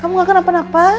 kamu gak akan apa apa